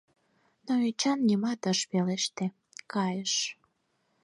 Но Эчан нимат ыш пелеште, кайыш.